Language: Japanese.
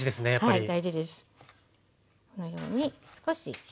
はい。